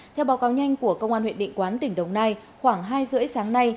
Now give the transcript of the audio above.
theo báo cáo nhanh của công an huyện định quán tỉnh đồng nai khoảng hai rưỡi sáng nay